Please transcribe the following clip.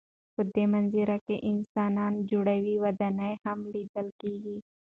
په دې منظره کې انسان جوړې ودانۍ هم لیدل کېږي.